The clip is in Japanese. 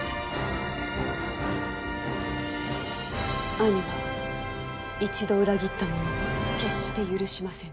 兄は一度裏切った者を決して許しませぬ。